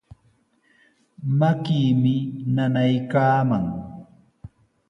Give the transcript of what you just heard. Makiimi nanaykaaman.